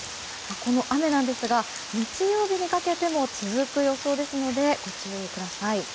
この雨なんですが日曜日にかけても続く予想ですのでご注意ください。